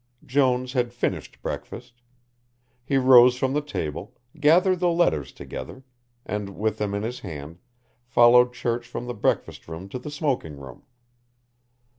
Jones had finished breakfast. He rose from the table, gathered the letters together, and with them in his hand followed Church from the breakfast room to the smoking room.